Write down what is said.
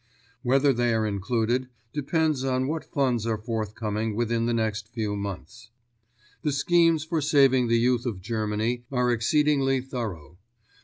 Whether they are included depends on what funds are forthcoming within the next few months. The schemes for saving the youth of Germany are exceedingly thorough.